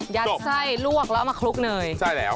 ยัดไส้ลวกแล้วเอามาคลุกเนย